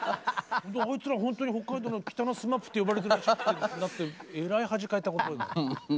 あいつら本当に北海道の北のＳＭＡＰって呼ばれてるらしいってなってえらい恥かいたことある。